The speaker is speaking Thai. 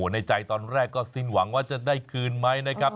ในใจตอนแรกก็สิ้นหวังว่าจะได้คืนไหมนะครับ